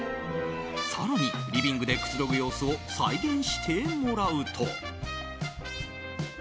更にリビングでくつろぐ様子を再現してもらうと。